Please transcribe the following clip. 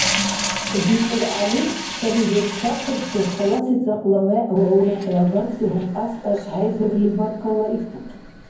ДибиргӀяли саби берцахъибси халаси цӀакьла вегӀ ва урехиагарси гьункьяс тӀашхӀейзурли баркаллаикӀулри.